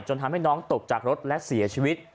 ทำให้น้องตกจากรถและเสียชีวิต